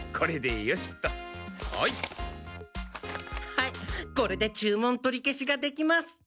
はいこれで注文取り消しができます。